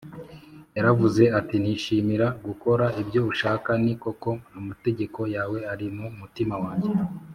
Yaravuze ati, “Nishimira gukora ibyo ushaka, ni koko amategeko yawe ari mu mutima wanjye